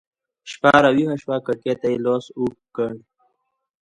شپه راویښه شوه کړکۍ ته يې لاس اوږد کړ